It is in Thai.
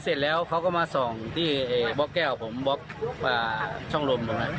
เสร็จแล้วเขาก็มาส่องบ๊อกแก้วผมบ๊อกช่องลม